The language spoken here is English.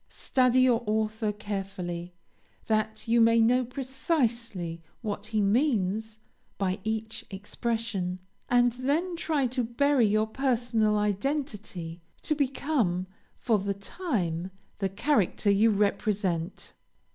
Study your author carefully, that you may know precisely what he means by each expression, and then try to bury your personal identity, to become, for the time, the character you represent.